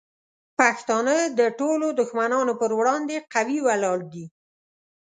پښتانه د ټولو دشمنانو پر وړاندې قوي ولاړ دي.